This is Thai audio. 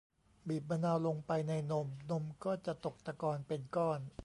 บีบมะนาวลงไปในนม นมก็จะตกตะกอนเป็นก้อน